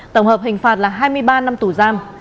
tổng hợp hình phạt là hai mươi ba năm tù giam